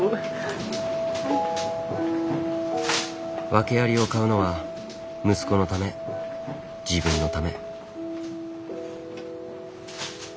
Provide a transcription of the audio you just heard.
ワケありを買うのは息子のため自分のため。